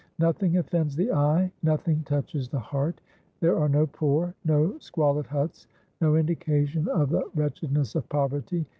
Nothing offends the eye; nothing touches the heart; there are no poor, no squalid huts, no indication of the wretchedness of poverty.